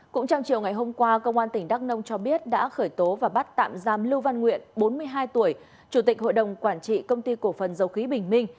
cũng trong chiều ngày hôm qua công an tỉnh đắk nông cho biết đã khởi tố và bắt tạm giam lưu văn nguyện bốn mươi hai tuổi chủ tịch hội đồng quản trị công ty cổ phần dầu khí bình minh